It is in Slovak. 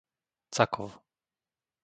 Cakov